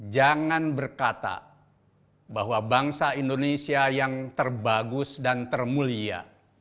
jangan berkata bahwa bangsa indonesia yang terbagus dan termulia